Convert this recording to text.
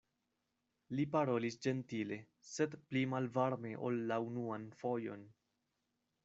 Li parolis ĝentile, sed pli malvarme ol la unuan fojon.